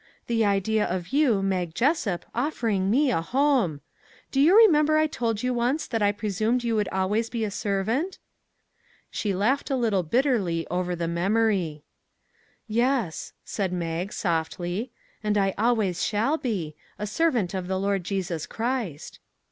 " The idea of you, Mag Jessup, offer ing me a home ! Do you remember I told you once that I presumed you would always be a servant ?" She laughed a little bitterly over the memory. " Yes," said Mag, softly. " And I always shall be a servant of the Lord Jesus Christ."